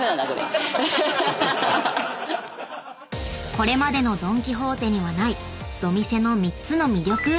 ［これまでのドン・キホーテにはないドミセの３つの魅力］